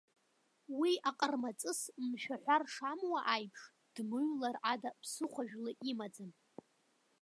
Уи аҟармаҵыс мшәаҳәар шамуа аиԥш, дмыҩлар ада ԥсыхәажәла имаӡам.